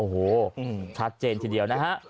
โอ้โหชัดเจนทีเดียวนะฮะ